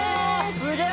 すげえ！